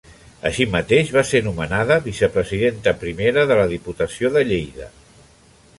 Així mateix, va ser nomenada vicepresidenta primera de la Diputació de Lleida.